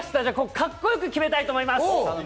カッコよく決めたいといます。